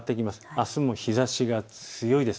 あすも日ざしが強いです。